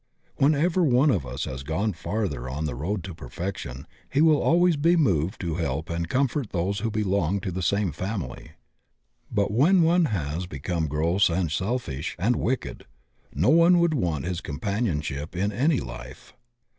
Whenever one of us has gone farther on the road to perfection, he will always be moved to help and comfort those who belong to the same family. But when one has become gross and selfish and wicked, no one would want his companionship in any life.